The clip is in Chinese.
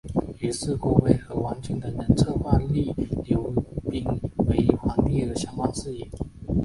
于是郭威和王峻等人策划立刘赟为皇帝的相关事宜。